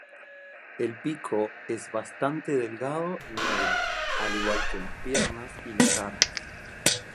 El pico es bastante delgado y negro, al igual que las piernas y garras.